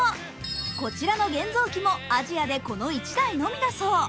こちらの現像機もアジアでこの１台のみだそう。